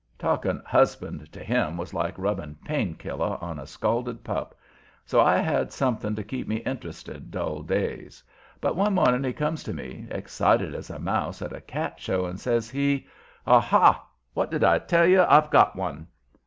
Talking "husband" to him was like rubbing pain killer on a scalded pup, so I had something to keep me interested dull days. But one morning he comes to me, excited as a mouse at a cat show, and says he: "Ah, ha! what did I tell you? I've got one!"